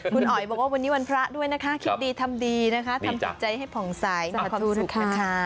คุณอ๋อยบอกว่าวันนี้วันพระด้วยนะคะคิดดีทำดีนะคะทำจิตใจให้ผ่องใสมีความสุขนะคะ